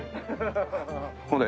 ほれ。